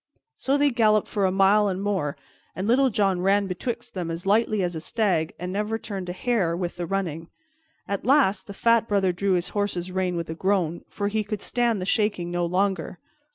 So they galloped for a mile and more, and Little John ran betwixt them as lightly as a stag and never turned a hair with the running. At last the fat Brother drew his horse's rein with a groan, for he could stand the shaking no longer.